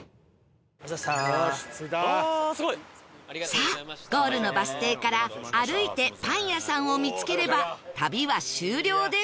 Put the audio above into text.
さあゴールのバス停から歩いてパン屋さんを見つければ旅は終了です